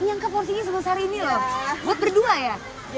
yang kepolisinya sebesar ini loh berdua ya